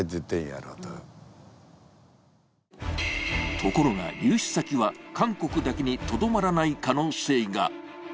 ところが流出先は韓国だけにとどまらない可能性が。